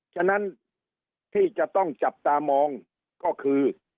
ฉะนั้นที่จะต้องจับตามองก็คือ